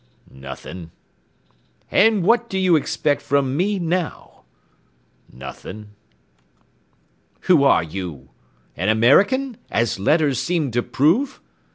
"Nothing." "And what do you expect from me now?" "Nothing." "Who are you? An American, as letters seem to prove?"